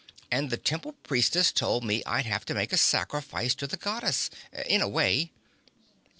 And the Temple Priestess told me I'd have to make a sacrifice to the Goddess. In a way."